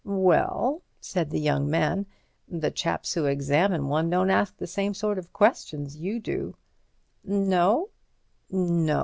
"Well," said the young man, "the chaps who examine one don't ask the same sort of questions you do." "No?"